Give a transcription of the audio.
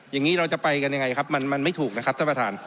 อย่างนี้เราจะไปกันยังไงครับมันไม่ถูกนะครับท่านประธาน